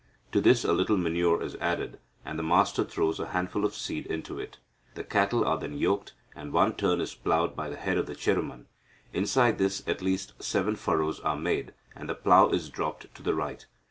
To this a little manure is added, and the master throws a handful of seed into it. The cattle are then yoked, and one turn is ploughed by the head Cheruman. Inside this at least seven furrows are made, and the plough is dropped to the right.